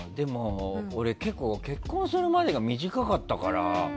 俺、結婚するまでが短かったから。